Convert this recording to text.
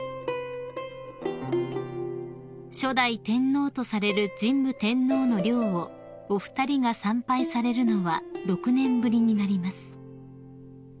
［初代天皇とされる神武天皇の陵をお二人が参拝されるのは６年ぶりになります］